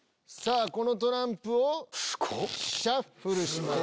このトランプをシャッフルします。